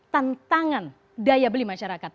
tantangan daya beli masyarakat